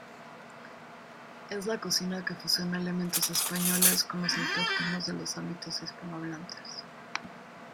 Es la cocina que fusiona elementos españoles con los autóctonos de los ámbitos hispanohablantes.